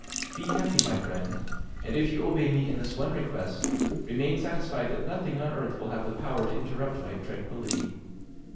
Be happy, my friend; and if you obey me in this one request, remain satisfied that nothing on earth will have the power to interrupt my tranquillity.